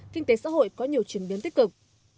kinh tế xã hội có nhiều chuyển biến tích cực